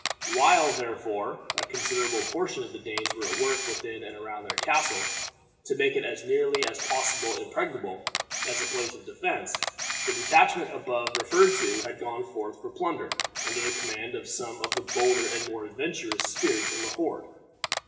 While, therefore, a considerable portion of the Danes were at work within and around their castle, to make it as nearly as possible impregnable as a place of defense, the detachment above referred to had gone forth for plunder, under the command of some of the bolder and more adventurous spirits in the horde.